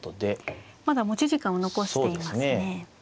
まだ持ち時間を残していますね。